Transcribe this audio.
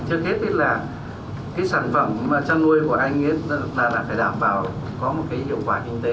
trước hết thì là cái sản phẩm chăn nuôi của anh là phải đảm bảo có một cái hiệu quả kinh tế